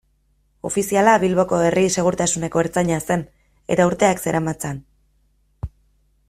Ofiziala Bilboko herri-segurtasuneko ertzaina zen, eta urteak zeramatzan.